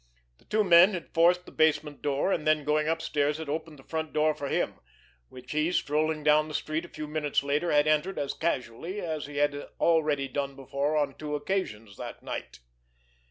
The two men had forced the basement door, and then, going upstairs, had opened the front door for him, which he, strolling down the street a few minutes later, had entered as casually as he had already done before on two occasions that night.